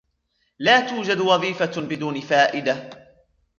لا توجد وظيفة بدون فائدة.